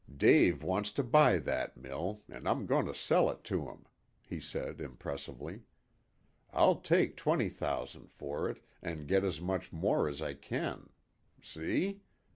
"Dave wants to buy that mill, and I'm going to sell it to him," he said impressively. "I'll take twenty thousand for it, and get as much more as I can. See?